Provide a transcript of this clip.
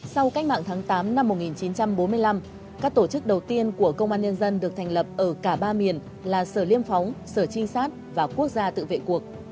sau cách mạng tháng tám năm một nghìn chín trăm bốn mươi năm các tổ chức đầu tiên của công an nhân dân được thành lập ở cả ba miền là sở liêm phóng sở trinh sát và sở công an nhân dân